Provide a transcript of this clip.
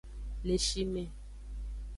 Le shi me.